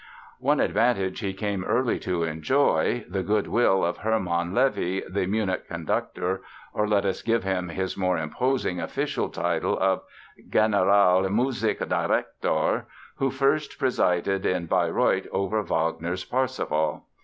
One advantage he came early to enjoy—the good will of Hermann Levi, the Munich conductor (or, let us give him his more imposing official title of "Generalmusikdirektor") who first presided in Bayreuth over Wagner's Parsifal.